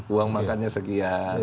uang makannya sekian